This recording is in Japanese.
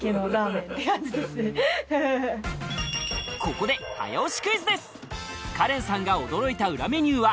ここで早押しクイズです！